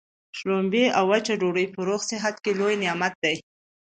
شلومبې او وچه ډوډۍ په روغ صحت کي لوی نعمت دی.